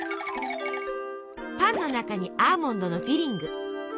パンの中にアーモンドのフィリング。